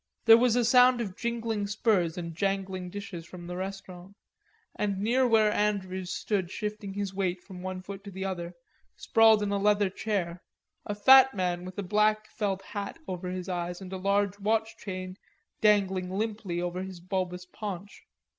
There was a sound of jingling spurs and jingling dishes from the restaurant, and near where Andrews stood shifting his weight from one foot to the other, sprawled in a leather chair a fat man with a black felt hat over his eyes and a large watch chain dangling limply over his bulbous paunch.